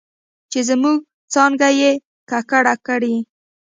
چې زموږ څانګه یې ککړه کړې